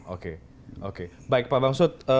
oke oke baik pak bang sud